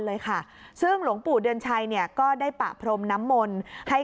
เลยค่ะซึ่งหลวงปู่เดือนชัยเนี่ยก็ได้ปะพรมน้ำมนต์ให้